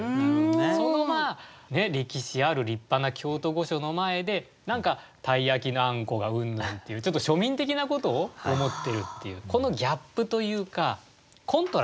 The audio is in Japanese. その歴史ある立派な京都御所の前で何か鯛焼のあんこがうんぬんっていうちょっと庶民的なことを思ってるっていうこのギャップというかコントラストですよね。